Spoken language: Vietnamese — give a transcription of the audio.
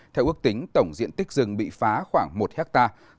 theo ước tính tổng diện tích rừng bị phá khoảng một hectare